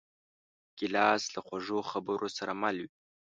ګیلاس له خوږو خبرو سره مل وي.